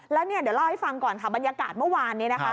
แล้วเนี่ยเดี๋ยวเล่าให้ฟังก่อนค่ะบรรยากาศเมื่อวานนี้นะคะ